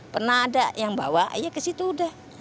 pernah ada yang bawa ya kesitu udah